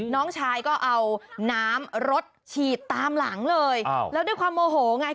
น้องชายก็เอาน้ำรถฉีดตามหลังเลยแล้วด้วยความโมโหไง